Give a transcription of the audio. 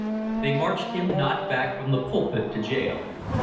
They marched him not back from the pulpit to gaol.